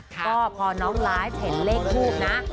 ก็พอน้องไลฟ์เห็นเลขทูบนะ